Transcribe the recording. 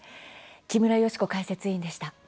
木村祥子解説委員でした。